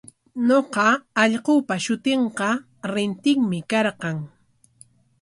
Ñuqa allqupa shutinqa Rintinmi karqan.